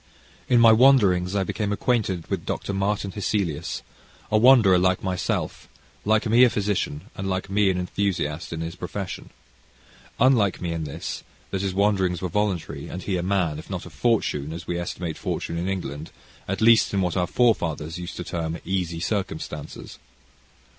In my wanderings I became acquainted with Dr. Martin Hesselius, a wanderer like myself, like me a physician, and like me an enthusiast in his profession. Unlike me in this, that his wanderings were voluntary, and he a man, if not of fortune, as we estimate fortune in England, at least in what our forefathers used to term "easy circumstances."